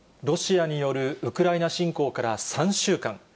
ロシアによるウクライナ侵攻から３週間。